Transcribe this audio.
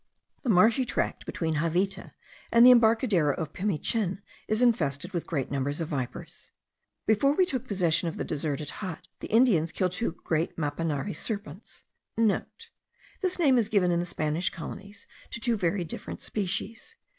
The marshy tract between Javita and the embarcadero of Pimichin is infested with great numbers of vipers. Before we took possession of the deserted hut, the Indians killed two great mapanare serpents.* (* This name is given in the Spanish colonies to very different species.